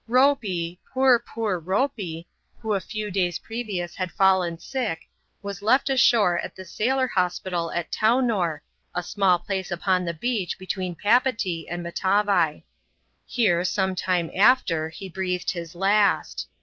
Ropey, poor, poor Ropey, who a few days previous had faUon sick, was left ashore at the sailor hospital at Townor, a small place upon the beach between Papeetee and Matavai. Here^ some time after, he breathed his last.